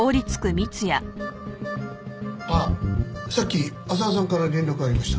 あっさっき浅輪さんから連絡がありました。